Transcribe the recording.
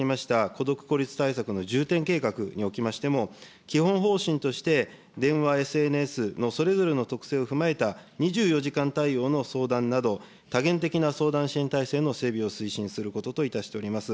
孤独・孤立対策の重点計画におきましても、基本方針として電話、ＳＮＳのそれぞれの特性を踏まえた２４時間対応の相談など、多元的な相談支援体制の整備を推進することといたしております。